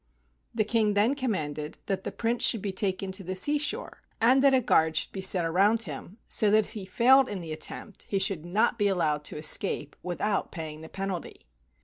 The King then commanded that the Prince should be taken to the seashore, and that a guard should be set around him, so that if he failed in the attempt, he should not be allowed to escape without paying the penalty.